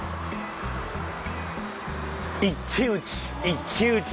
一騎打ち。